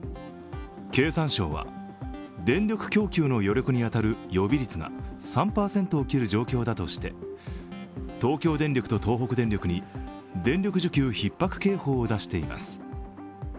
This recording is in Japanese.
経産省は電力供給の余力に当たる予備率が３％を切る状況だとして東京電力と東北電力に電力需給ひっ迫警報を出しています。